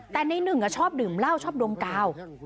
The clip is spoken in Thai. แต่ในหนึ่งชอบดื่มเหล้าชอบดมกาว